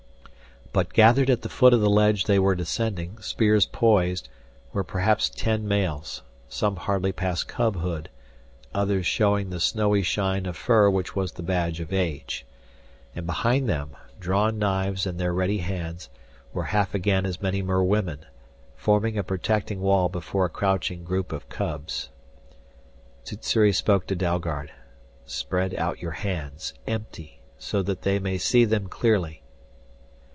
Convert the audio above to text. But gathered at the foot of the ledge they were descending, spears poised, were perhaps ten males, some hardly past cubhood, others showing the snowy shine of fur which was the badge of age. And behind them, drawn knives in their ready hands, were half again as many merwomen, forming a protecting wall before a crouching group of cubs. Sssuri spoke to Dalgard. "Spread out your hands empty so that they may see them clearly!"